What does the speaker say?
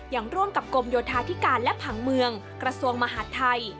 ร่วมกับกรมโยธาธิการและผังเมืองกระทรวงมหาดไทย